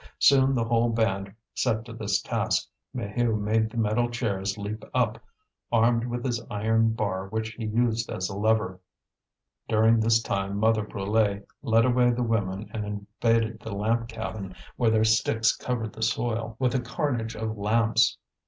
Soon the whole band set to this task. Maheu made the metal chairs leap up, armed with his iron bar which he used as a lever. During this time Mother Brulé led away the women and invaded the lamp cabin, where their sticks covered the soil with a carnage of lamps.